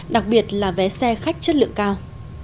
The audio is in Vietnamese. đặc biệt là vé xe khách chất lượng cao